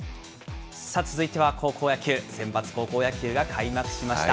続いては高校野球、センバツ高校野球が開幕しました。